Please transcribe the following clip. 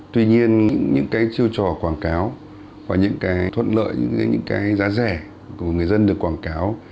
tuy nhiên những cái chiêu trò quảng cáo và những cái thuận lợi những cái giá rẻ của người dân được quảng cáo